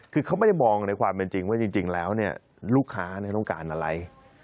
คือเขาไม่ได้มองในความเป็นจริงว่าจริงแล้วลูกค้าต้องการอะไร